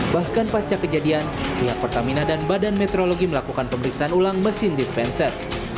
bahkan pasca kejadian pihak pertamina dan badan meteorologi melakukan pemeriksaan ulang mesin dispenser